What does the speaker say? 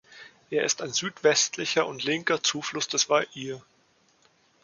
Er ist ein südwestlicher und linker Zufluss des Vair.